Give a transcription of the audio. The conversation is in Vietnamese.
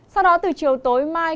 sau đó từ chiều tối mai